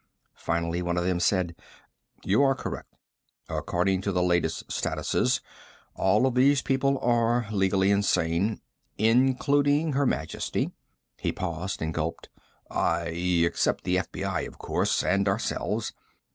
Finally one of them said: "You are correct. According to the latest statutes, all of these persons are legally insane including Her Majesty." He paused and gulped. "I except the FBI, of course and ourselves."